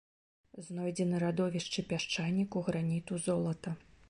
Знойдзены радовішчы пясчаніку, граніту, золата.